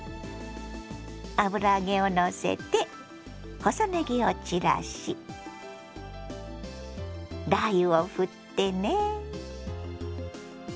油揚げをのせて細ねぎを散らしラー油をふってね。